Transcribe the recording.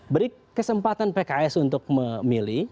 beri kesempatan pks untuk memilih